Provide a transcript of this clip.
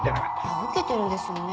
破けてるんですよね。